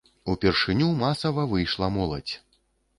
Упершыню масава выйшла моладзь.